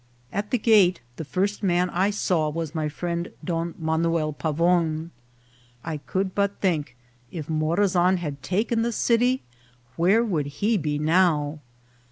At the gate the first man I saw was my friend Don Man uel Pavon. I could but think, if Morazan had taken the city, where would he be now